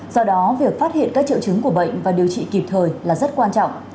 do đó việc phát hiện các triệu chứng của bệnh và điều trị kịp thời là rất quan trọng